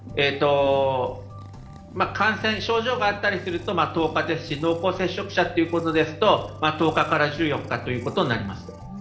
症状があったりすると１０日ですし濃厚接触者ということですと１０日から１４日になります。